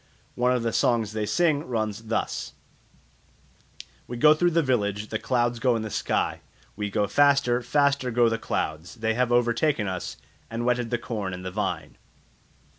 One of the songs they sing runs thus: "We go through the village; The clouds go in the sky; We go faster, Faster go the clouds; They have overtaken us, And wetted the corn and the vine."